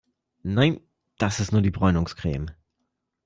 Nein, das ist nur die Bräunungscreme.